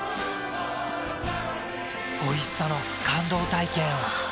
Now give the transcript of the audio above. おいしさの感動体験を。